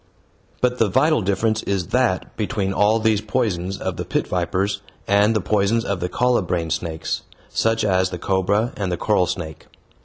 But the vital difference is that between all these poisons of the pit vipers and the poisons of the colubrine snakes, such as the cobra and the coral snake.